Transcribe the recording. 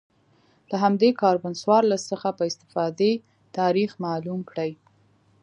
له همدې کاربن څوارلس څخه په استفادې تاریخ معلوم کړي